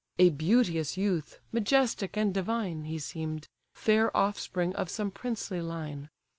A beauteous youth, majestic and divine, He seem'd; fair offspring of some princely line!